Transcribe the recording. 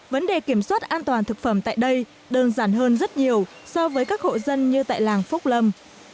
vấn đề kiểm soát an toàn thực phẩm tại đây đơn giản hơn rất nhiều so với các hộ dân như tại làng phúc lâm